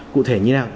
cụ thể như sao